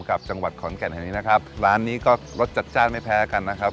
กับจังหวัดขอนแก่นแห่งนี้นะครับร้านนี้ก็รสจัดจ้านไม่แพ้กันนะครับ